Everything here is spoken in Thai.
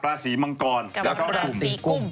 ราศีมังกรแล้วก็ราศีกุ้ม